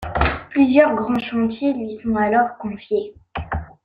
Plusieurs grands chantiers lui sont alors confiés.